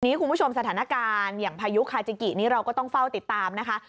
คุณผู้ชมสถานการณ์อย่างพายุคาจิกินี่เราก็ต้องเฝ้าติดตามนะคะ